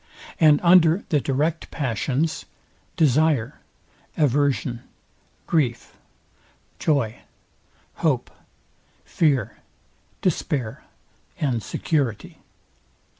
And under the direct passions, desire, aversion, grief, joy, hope, fear, despair and security.